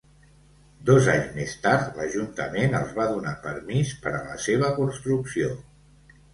Dos anys més tard l'Ajuntament els va donar permís per a la seva construcció.